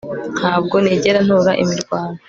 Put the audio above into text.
Ntabwo nigera ntora imirwano